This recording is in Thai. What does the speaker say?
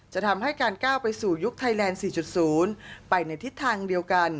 จะทำให้การก้าวไปสู่ยุคไทยแลนด์๔๐ไปในทิศทางเดียวกัน